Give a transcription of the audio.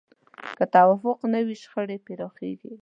که توافق نه وي، شخړې پراخېږي.